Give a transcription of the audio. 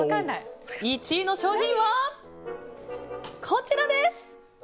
１位の商品は、こちらです！